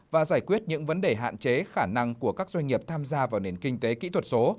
và giải quyết những vấn đề hạn chế khả năng của các doanh nghiệp tham gia vào nền kinh tế kỹ thuật số